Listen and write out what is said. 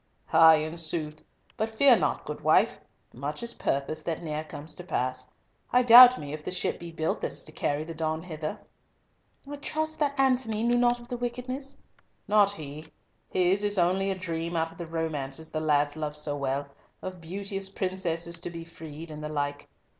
"Ay, in sooth, but fear not, good wife. Much is purposed that ne'er comes to pass. I doubt me if the ship be built that is to carry the Don hither." "I trust that Antony knew not of the wickedness?" "Not he. His is only a dream out of the romances the lads love so well, of beauteous princesses to be freed, and the like."